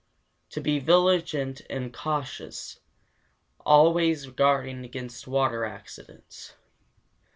3. To be vigilant and cautious, always guarding against water accidents.